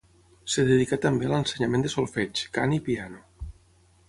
Es dedicà també a l'ensenyament de solfeig, cant i piano.